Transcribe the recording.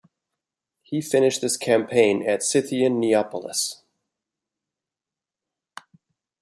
He finished this campaign at Scythian Neapolis.